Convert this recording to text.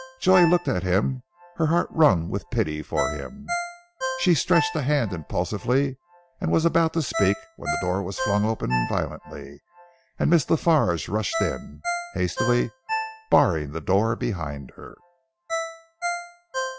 Joy looked at him, her heart wrung with pity for him. She stretched a hand impulsively, and was about to speak when the door was flung open violently, and Miss La Farge rushed in, hastily barring the door behind her.